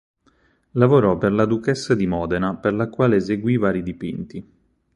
Lavorò per la duchessa di Modena per la quale eseguì vari dipinti.